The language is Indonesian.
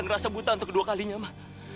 ngerasa buta untuk kedua kalinya mah